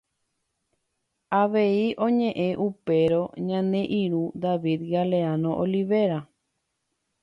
Avei oñeʼẽ upérõ ñane irũ David Galeano Olivera.